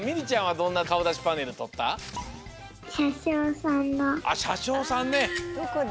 どこだ？